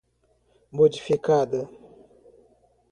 modificada